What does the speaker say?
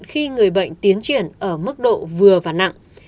khi người bệnh tiến triển ở mức độ vừa và nặng